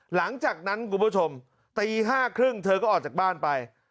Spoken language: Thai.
หลังจากนั้นคุณผู้ชมตี๕๓๐เธอก็ออกจากบ้านไป